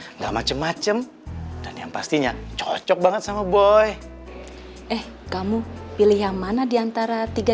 enggak macem macem dan yang pastinya cocok banget sama boy eh kamu pilih yang mana diantara tiga